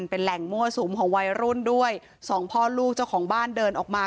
เป็นแหล่งมั่วสุมของวัยรุ่นด้วยสองพ่อลูกเจ้าของบ้านเดินออกมา